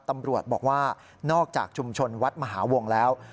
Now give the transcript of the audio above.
ตำรวจบอกว่านอกจากชุมชนวัดมหาวงแล้ว